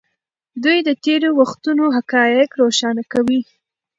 دوی د تېرو وختونو حقایق روښانه کوي.